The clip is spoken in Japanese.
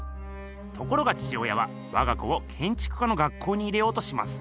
ところが父親はわが子をけんちく家の学校に入れようとします。